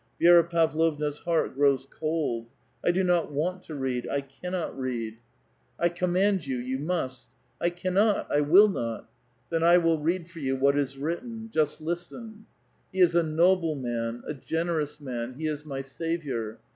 Vi6ra Pavlovna's heart grows cold. " I do not want to read ! I cannot read !" 236 A VITAL QUESTION. " I command 3'ou. You must !" ''I cannot! 1 will not!" ''Then 1 will read for you what is written. Just listen. —^ He is a noble man, a generous man ; be is my saviour